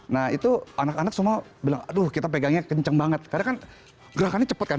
nah itu anak anak semua bilang aduh kita pegangnya kenceng banget karena kan gerakannya cepat kan